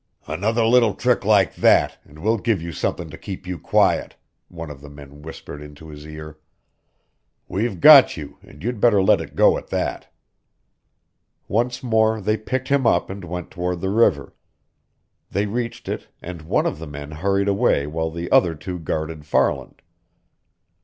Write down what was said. "Another little trick like that, and we'll give you something to keep you quiet," one of the men whispered into his ear. "We've got you, and you'd better let it go at that!" Once more they picked him up and went toward the river. They reached it, and one of the men hurried away while the other two guarded Farland.